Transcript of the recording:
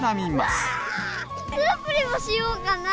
スープでもしようかな。